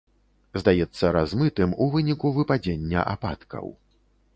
Здаецца размытым у выніку выпадзення ападкаў.